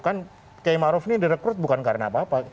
kan k e ma'ruf ini direkrut bukan karena apa apa